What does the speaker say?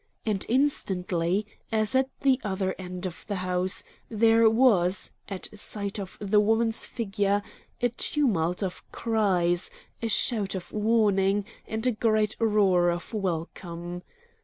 And instantly, as at the other end of the house, there was, at sight of the woman's figure, a tumult of cries, a shout of warning, and a great roar of welcome.